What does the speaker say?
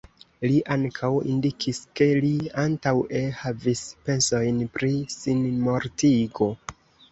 Li ankaŭ indikis, ke li antaŭe havis pensojn pri sinmortigo.